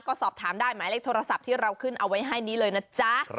ก็สอบถามได้หมายเลขโทรศัพท์ที่เราขึ้นเอาไว้ให้นี้เลยนะจ๊ะ